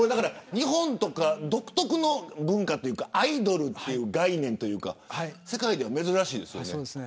日本とか独特の文化というかアイドルという概念というか世界では珍しいですよね。